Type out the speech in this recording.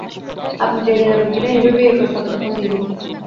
আপনি রেগে যাবেন কি না এই ভেবেই এ-প্রস্তাব এতক্ষণ দিই নি।